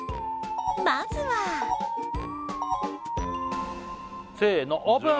まずはせのオープン！